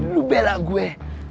lu bela gue